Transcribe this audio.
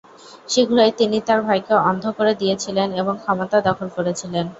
শীঘ্রই, তিনি তার ভাইকে অন্ধ করে দিয়েছিলেন এবং ক্ষমতা দখল করেছিলেন।